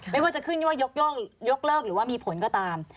ไม่ว่าจะขึ้นว่ายกเลิกหรือว่ามีผลก็ตาม